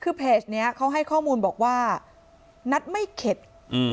คือเพจเนี้ยเขาให้ข้อมูลบอกว่านัดไม่เข็ดอืม